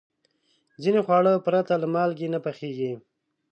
ځینې خواړه پرته له مالګې نه پخېږي.